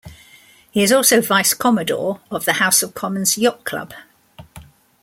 He is also Vice-Commodore of the House of Commons Yacht Club.